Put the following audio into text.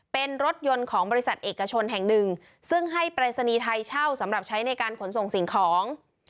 เป็นรถยนต์ของบริษัทเอกชนแห่งหนึ่งซึ่งให้ปรายศนีย์ไทยเช่าสำหรับใช้ในการขนส่งสิ่งของ